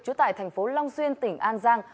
chú tại thành phố long xuyên tỉnh an giang